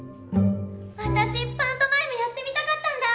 私パントマイムやってみたかったんだ！